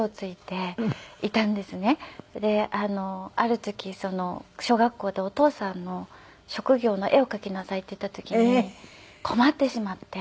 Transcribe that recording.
である時小学校でお父さんの職業の絵を描きなさいっていった時に困ってしまって。